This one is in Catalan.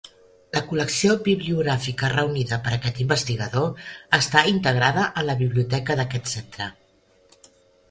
La col·lecció bibliogràfica reunida per aquest investigador està integrada en la Biblioteca d'aquest centre.